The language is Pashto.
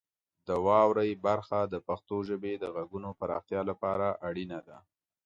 د واورئ برخه د پښتو ژبې د غږونو پراختیا لپاره اړینه ده.